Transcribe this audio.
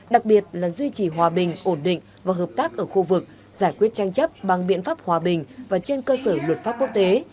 đặc biệt là duy trì hòa bình ổn định và hợp tác ở khu vực giải quyết tranh chấp bằng biện pháp hòa bình và trên cơ sở luật pháp quốc tế